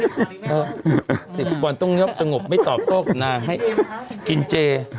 เออศิษย์ปุ่นต้องยอบสงบไม่ตอบโก๊กนางให้กินเจ